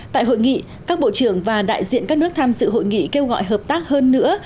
tại hội nghị các bộ trưởng và đại diện các nước tham dự hội nghị kêu gọi hợp tác hơn nữa